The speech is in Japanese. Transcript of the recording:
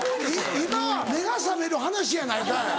今目が覚める話やないかい。